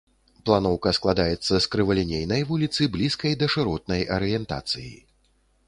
Планоўка складаецца з крывалінейнай вуліцы, блізкай да шыротнай арыентацыі.